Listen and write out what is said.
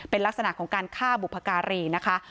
เป็นลักษณะของการฆ่าบุพการีนะคะ